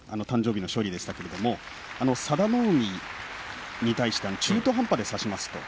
誕生日の勝利でしたけれども佐田の海に対して中途半端で差しました。